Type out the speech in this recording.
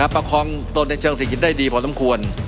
ประคองตนในเชิงเศรษฐกิจได้ดีพอสมควร